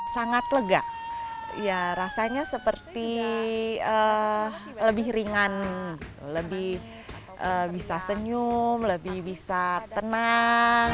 sangat lega ya rasanya seperti lebih ringan lebih bisa senyum lebih bisa tenang